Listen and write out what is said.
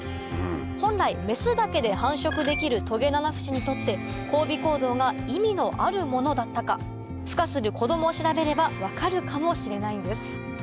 本来メスだけで繁殖できるトゲナナフシにとって交尾行動が意味のあるものだったか孵化する子供を調べれば分かるかもしれないんです